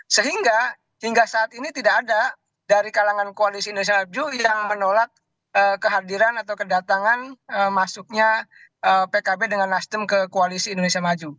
sehingga hingga saat ini tidak ada dari kalangan koalisi indonesia maju yang menolak kehadiran atau kedatangan masuknya pkb dengan nasdem ke koalisi indonesia maju